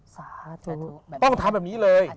สาธุต้องทำแบบนี้เลย